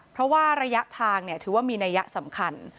เพราะว่าระยะทางถือว่ามีนัยยะสำคัญ